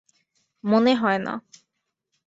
মনে হয় না।